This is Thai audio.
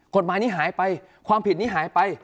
กฎหมายนี้หายไปความผิดนี้หายไป